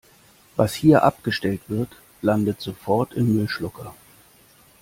Was hier abgestellt wird, landet sofort im Müllschlucker.